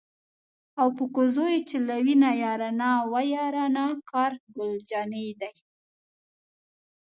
او په کوزو یې چلوینه یاره نا وه یاره نا کار ګل جانی دی.